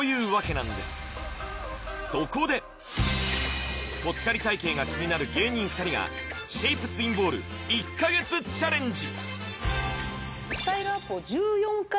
そこでぽっちゃり体形が気になる芸人２人がシェイプツインボール１か月チャレンジ１４回？